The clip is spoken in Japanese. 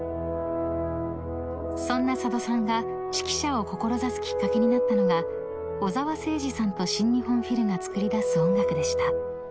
［そんな佐渡さんが指揮者を志すきっかけになったのが小澤征爾さんと新日本フィルがつくり出す音楽でした］